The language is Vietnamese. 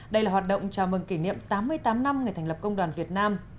đây là hoạt động chào mừng kỷ niệm tám mươi tám năm ngày thành lập công đoàn việt nam